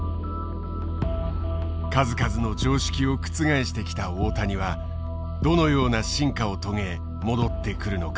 数々の常識を覆してきた大谷はどのような進化を遂げ戻ってくるのか。